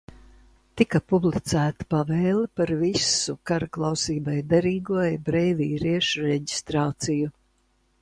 Tika publicēta pavēle par visu karaklausībai derīgo ebreju vīriešu reģistrāciju.